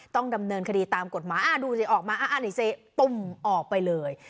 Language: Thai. ต้องดำเนินคดีตามกฎหมายดูสิออกมานี่เซตตุ่มออกไปเลย